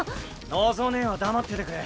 望姉は黙っててくれ！